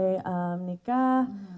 terus kita mengikuti